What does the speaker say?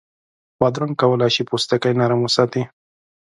بادرنګ کولای شي پوستکی نرم وساتي.